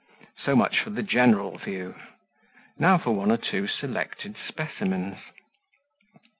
So much for the general view: now for one or two selected specimens.